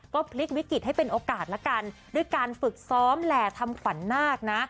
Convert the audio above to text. ก็พลิกวิกฤตให้เป็นโอกาสละกันด้วยการฝึกซ้อมแหล่ทำขวัญนาคนะ